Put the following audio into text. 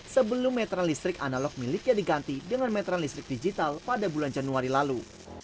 sebelum metra listrik analog miliknya diganti dengan metral listrik digital pada bulan januari lalu